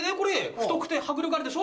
太くて迫力あるでしょ？